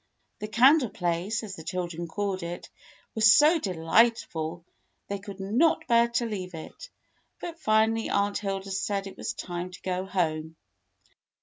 The candle place, as the children called it, was so delightful they could not bear to leave it; but finally Aunt Hilda said it was time to go home.